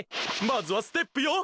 まずはステップよ。